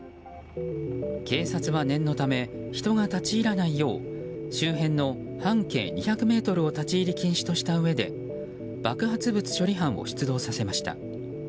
警察は、念のため人が立ち入らないよう周辺の半径２００ｍを立ち入り禁止としたうえで爆発物処理班を出動させました。